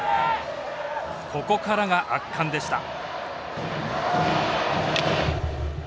ここからが圧巻でした。